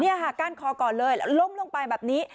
นี่ค่ะก้านคอก่อนเลยแล้วล้มลงไปแบบนี้